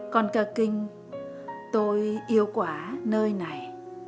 còn cơ kinh tôi yêu quả nơi này